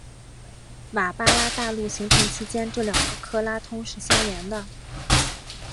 瓦巴拉大陆形成期间这两个克拉通是相连的。